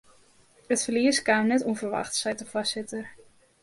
It ferlies kaam net ûnferwachts, seit de foarsitter.